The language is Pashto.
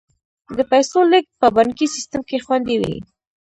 د پیسو لیږد په بانکي سیستم کې خوندي وي.